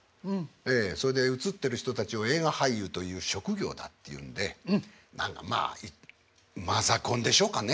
それで映ってる人たちを映画俳優という職業だっていうんでまあマザコンでしょうかね。